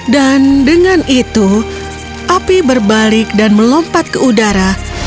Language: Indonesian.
dan dengan itu api berbalik dan melompat ke udara